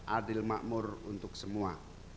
adil makmur untuk semua